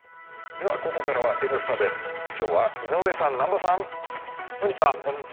では、ここからは「Ｎスタ」です今日は井上さん、南波さん。